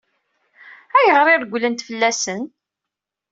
Ayɣer i regglent fell-asen?